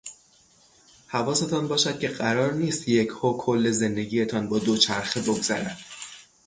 حواستان باشد که قرار نیست یکهو کل زندگی تان با دوچرخه بگذرد.